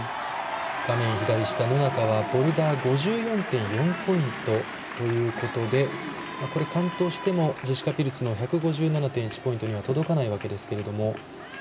画面左下、野中はボルダー５４．４ポイントということで完登してもジェシカ・ピルツの１５７．１ポイントには届かないわけですけれども。